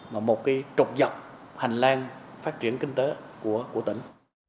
một trục dọc hành lang phát triển kinh tế của tỉnh